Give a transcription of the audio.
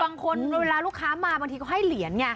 เวลาลูกค้ามาบางทีก็ให้เหรียญไง